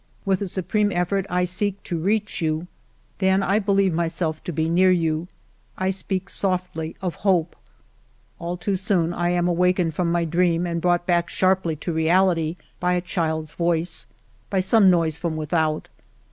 With a supreme effort I seek to reach iS 2/4 FIVE YEARS OF MY LIFE you. Then I believe myself to be near you ; I speak softly of hope. All too soon I am awak ened from my dream and brought back sharply to reality by a child's voice, by some noise from without.